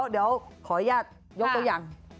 เดี๋ยวขออนุญาตยกตัวอย่าง